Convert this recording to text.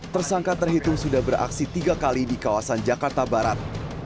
tersangka terhitung sudah beraksi tiga kali di kawasan jakarta barat